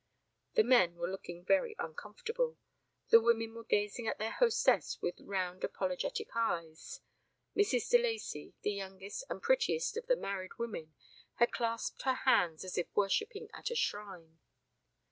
The men were looking very uncomfortable. The women were gazing at their hostess with round apologetic eyes. Mrs. de Lacey, the youngest and prettiest of the married women, had clasped her hands as if worshipping at a shrine.